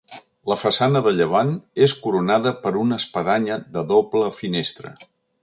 La façana de llevant és coronada per una espadanya de doble finestra.